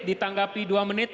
ditanggapi dua menit